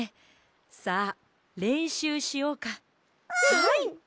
はい！